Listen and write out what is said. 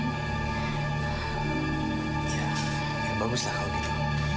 ya ya baguslah kau gitu